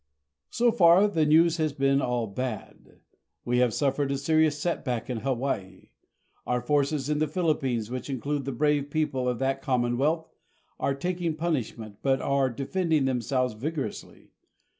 So far, the news has been all bad. We have suffered a serious setback in Hawaii. Our forces in the Philippines, which include the brave people of that Commonwealth, are taking punishment, but are defending themselves vigorously.